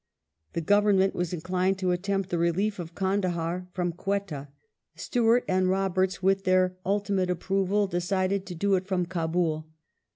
The Government was inclined to attempt the relief of Kandahar from Quetta. Stewart and Roberts, with their ultimate approval, decided to do it from Kdbul.